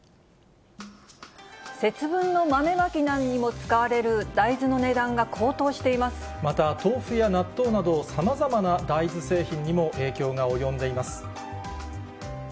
節分の豆まきにも使われる大また豆腐や納豆など、さまざまな大豆製品にも影響が及んでいます。